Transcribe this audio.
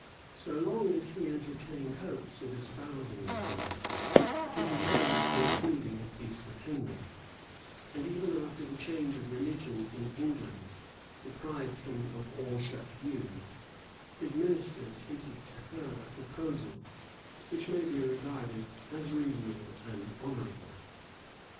So long as he entertained hopes of espousing the queen, he delayed concluding a peace with Henry; and even after the change of religion in England deprived him of all such views, his ministers hinted to her a proposal which may be regarded as reasonable and honorable.